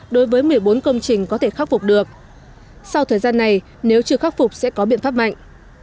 đối với một mươi bốn công trình có thể khắc phục được sau thời gian này nếu chưa khắc phục sẽ có biện pháp mạnh